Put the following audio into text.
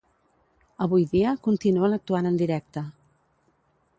Avui dia, continuen actuant en directe.